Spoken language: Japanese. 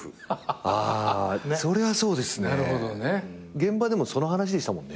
現場でもその話でしたもんね。